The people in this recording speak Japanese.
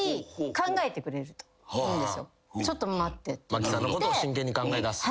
真木さんのことを真剣に考えだす。